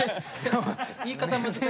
言い方難しい。